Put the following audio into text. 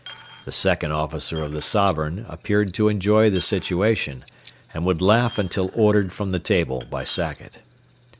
The second officer of the Sovereign appeared to enjoy the situation, and would laugh until ordered from the table by Sackett.